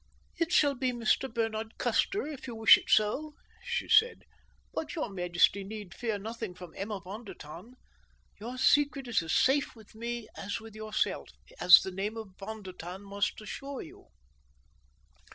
"It shall be Mr. Bernard Custer if you wish it so," she said; "but your majesty need fear nothing from Emma von der Tann. Your secret is as safe with me as with yourself, as the name of Von der Tann must assure you."